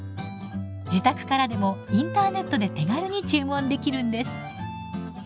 自宅からでもインターネットで手軽に注文できるんです。